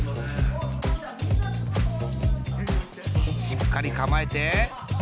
しっかりかまえて。